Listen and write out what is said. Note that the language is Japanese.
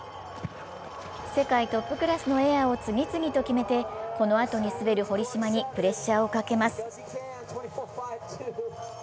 世界トップクラスのエアを次々と決めてこのあとに滑る堀島にプレッシャーをかけます。